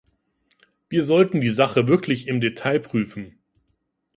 Wir sollten die Sache wirklich im Detail prüfen.